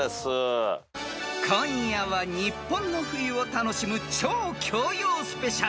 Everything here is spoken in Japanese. ［今夜は日本の冬を楽しむ超教養スペシャル］